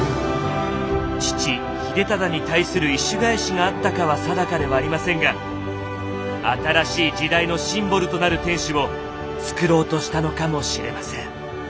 父・秀忠に対する意趣返しがあったかは定かではありませんが新しい時代のシンボルとなる天守を造ろうとしたのかもしれません。